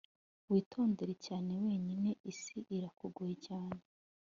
witondere cyane wenyine isi irakugoye cyane